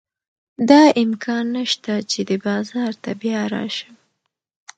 دا امکان نه شته چې دې بازار ته بیا راشم.